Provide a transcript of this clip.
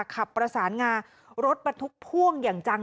ขับประสานงารถบรรทุกพ่วงอย่างจัง